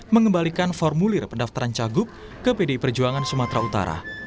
mengembalikan formulir pendaftaran cagup ke pdi perjuangan sumatera utara